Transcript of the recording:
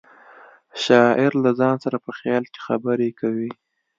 شاعر له ځان سره په خیال کې خبرې کوي